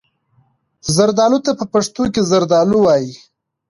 زردالو ته په پښتو کې زردالو وايي.